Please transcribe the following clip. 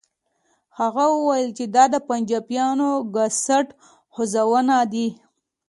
هغه وويل چې دا د چينايانو ګسټ هوزونه دي.